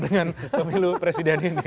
dengan pemilu presiden ini